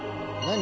何？